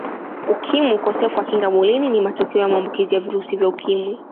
Ukimwi Ukosefu wa Kinga Mwilini ni matokea ya maambukizi ya virusi vya Ukimwi